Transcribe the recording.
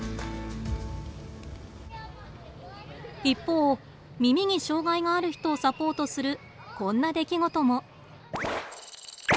一方耳に障害がある人をサポートするこんな出来事も。